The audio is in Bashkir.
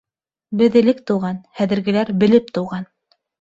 Беҙ элек тыуған, хәҙергеләр белеп тыуған.